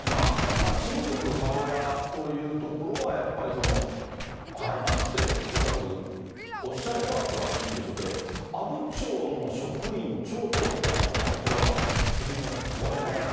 親族、母親というところは、やっぱり払いますって、恐らく、おっしゃれば、それはいいんでしょうけど、阿武町の職員、町長っていうのは橋下さん、これは責任は問われますか。